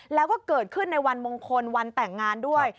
แล้วก็เกิดขึ้นในวันมงคลวันแต่งงานด้วย